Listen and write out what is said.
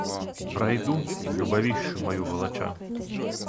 Пройду, любовищу мою волоча.